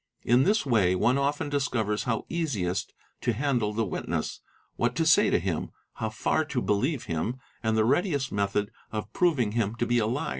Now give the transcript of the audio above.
In this way one often discovers how easiest to handle the witness, what to say to him, how far to believe him, and the readiest method of proving 1im to be a liar.